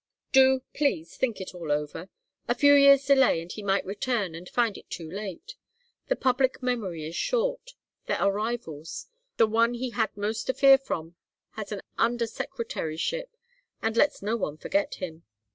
Do, please, think it all over. A few years' delay, and he might return and find it too late. The public memory is short. There are rivals. The one he had most to fear from has an Under secretaryship, and lets no one forget him.